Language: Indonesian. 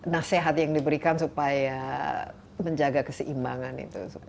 nasihat yang diberikan supaya menjaga keseimbangan itu